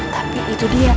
tapi itu dia